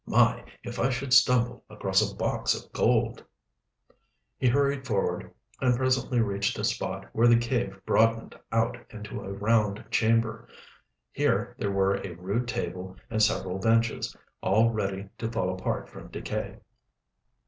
"My, if I should stumble across a box of gold!" He hurried forward and presently reached a spot where the cave broadened out into a round chamber. Here there were a rude table and several benches, all ready to fall apart from decay.